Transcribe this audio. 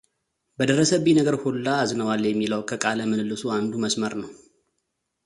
በደረሰብኝ ነገር ሁላ አዝነዋል የሚለው ከቃለ ምልልሱ አንዱ መስመር ነው።